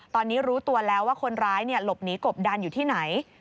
ตอนนี้รู้ตัวแล้วว่าคนร้ายหลบหนีกบดันอยู่ที่ไหน